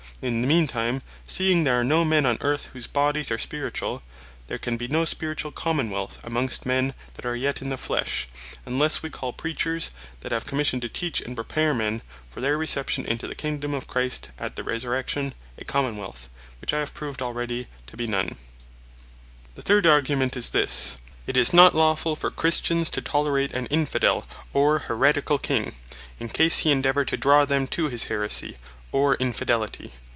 In the mean time, seeing there are no men on earth, whose bodies are Spirituall; there can be no Spirituall Common wealth amongst men that are yet in the flesh; unlesse wee call Preachers, that have Commission to Teach, and prepare men for their reception into the Kingdome of Christ at the Resurrection, a Common wealth; which I have proved to bee none. The third Argument is this; "It is not lawfull for Christians to tolerate an Infidel, or Haereticall King, in case he endeavour to draw them to his Haeresie, or Infidelity.